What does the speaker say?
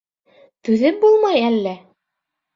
— Түҙеп булмай, әллә?